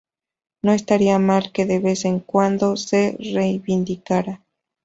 No estaría mal que de vez en cuando se reivindicara